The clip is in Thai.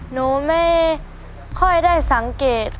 หนูไม่ค่อยได้สังเกต